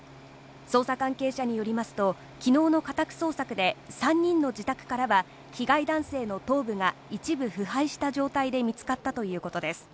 捜査関係者によりますと、きのうの家宅捜索で３人の自宅からは被害男性の頭部が一部腐敗した状態で見つかったということです。